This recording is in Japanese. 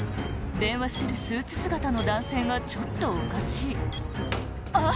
電話してるスーツ姿の男性がちょっとおかしいあっ